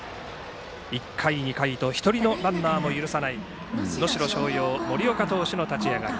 １回、２回と１人のランナーも許さない能代松陽、森岡投手の立ち上がり。